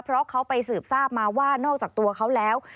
เพราะเขาไปสืบทราบมาว่านอกจากตัวเขาแล้ว